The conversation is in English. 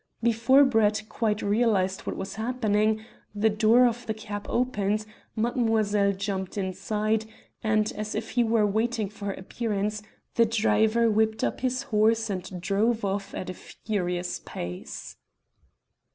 Before Brett quite realized what was happening, the door of the cab opened, mademoiselle jumped inside, and, as if he were waiting for her appearance, the driver whipped up his horse and drove off at a furious pace.